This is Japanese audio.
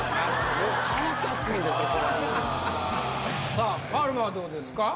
さあカルマはどうですか？